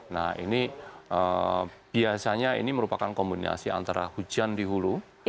nah ini biasanya ini merupakan kombinasi antara hujan di hulu